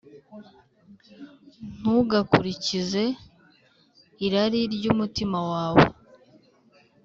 ntugakurikize irari ry’umutima wawe